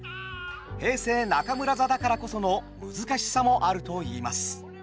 平成中村座だからこその難しさもあるといいます。